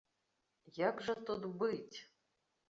Як жа тут быць?